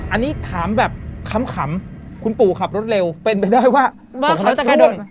อันนี้ถามแบบคำคุณปู่ขับรถเร็วเป็นไปได้ว่าว่าเขาจะกระโดด